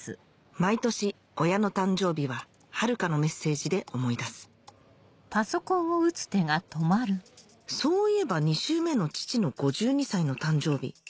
毎年親の誕生日は遥のメッセージで思い出すそういえば２周目の父の５２歳の誕生日